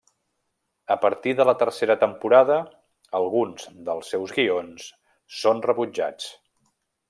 A partir de la tercera temporada, alguns dels seus guions són rebutjats.